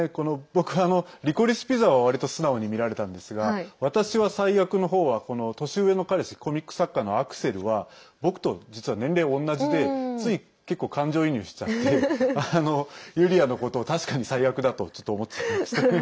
僕「リコリス・ピザ」は割と素直に見られたんですが「わたしは最悪。」のほうは年上の彼氏コミック作家のアクセルは僕と実は年齢同じでつい、結構、感情移入しちゃってユリアのことを確かに最悪だとちょっと思っちゃいましたね。